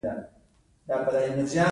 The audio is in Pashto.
تولیدونکي د دې توکو له تولید څخه لاس اخلي